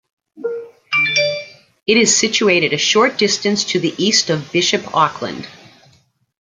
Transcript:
It is situated a short distance to the east of Bishop Auckland.